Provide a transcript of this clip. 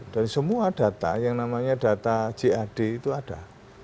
dan semua data yang namanya data cad itu ada